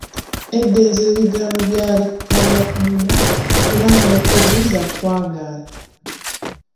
Eddenzi ebigambo byalikalira ku mumwa kuba n'okubuuza kwagaana.